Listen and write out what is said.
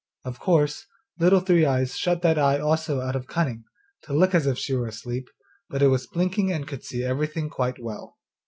Of course Little Three eyes shut that eye also out of cunning, to look as if she were asleep, but it was blinking and could see everything quite well.